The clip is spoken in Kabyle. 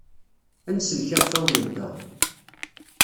Ad nsellek iɣfawen-nteɣ.